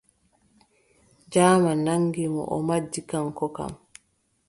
Jaaman naŋgi mo, o majji kaŋko kam.